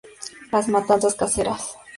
Las matanzas caseras.